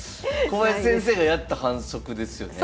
小林先生がやった反則ですよね？